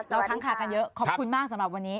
ค้างคากันเยอะขอบคุณมากสำหรับวันนี้